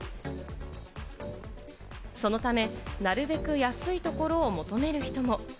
そのため、なるべく安いところを求める人も。